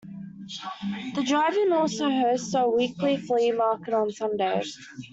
The drive-in also hosts a weekly flea market on Sundays.